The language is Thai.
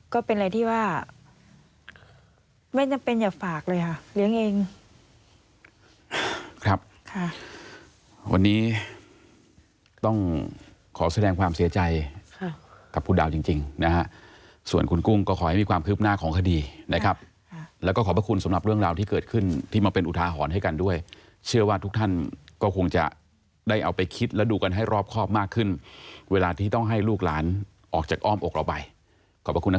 ครับค่ะวันนี้ต้องขอแสดงความเสียใจค่ะกับคุณดาวจริงจริงนะฮะส่วนคุณกุ้งก็ขอให้มีความคืบหน้าของคดีนะครับแล้วก็ขอบคุณสำหรับเรื่องราวที่เกิดขึ้นที่มาเป็นอุทาหอนให้กันด้วยเชื่อว่าทุกท่านก็คงจะได้เอาไปคิดและดูกันให้รอบครอบมากขึ้นเวลาที่ต้องให้ลูกหลานออกจากอ้อมอกระบ่ายขอ